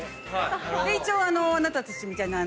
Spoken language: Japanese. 一応あなたたちみたいな。